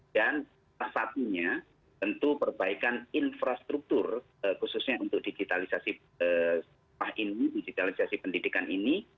dan satu satunya tentu perbaikan infrastruktur khususnya untuk digitalisasi pendidikan ini